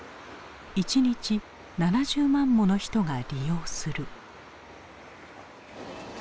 一日７０万もの人が利用する。